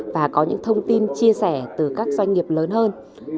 và có những thông tin chia sẻ từ các doanh nghiệp lớn hơn